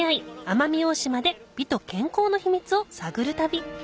奄美大島で美と健康の秘密を探る旅